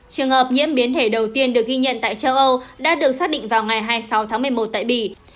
trường hợp nhiễm biến thể đầu tiên được ghi nhận tại châu âu đã được xác định vào ngày hai mươi sáu tháng một mươi một tại bỉ